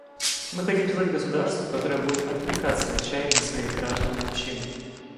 Мы хотим создать государство, которое будет откликаться на чаяния своих граждан и общин.